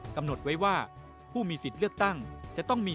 กำหนดไว้ว่าผู้มีสิทธิ์เลือกตั้งจะต้องมี